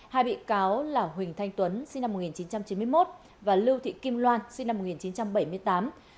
hai bị cáo là huỳnh thanh tuấn sinh năm một nghìn chín trăm chín mươi một và lưu thị kim loan sinh năm một nghìn chín trăm bảy mươi tám